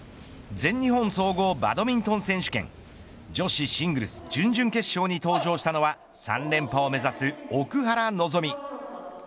全日本総合バドミントン選手権女子シングルス準々決勝に登場したのは３連覇を目指す奥原希望。